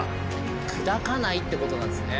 砕かないってことなんですね。